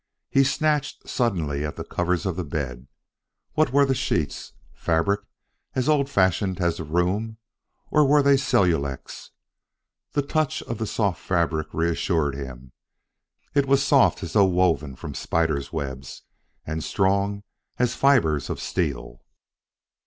He snatched suddenly at the covers of the bed. What were the sheets? fabric as old fashioned as the room, or were they cellulex? The touch of the soft fabric reassured him: it was as soft as though woven of spider's web, and strong as fibres of steel.